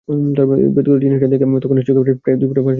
বিদঘুটে জিনিসটা দেখে তখনই চোখে প্রায় দুই ফোঁটা পানি চলে এসেছিল।